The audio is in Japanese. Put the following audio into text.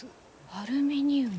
アルミニウム。